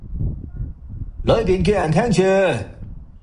裡面嘅人聽住